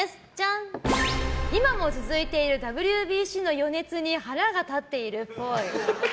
今も続いているＷＢＣの余熱に腹が立っているっぽい。